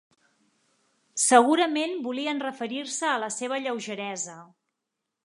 Segurament, volien referir-se a la seva lleugeresa.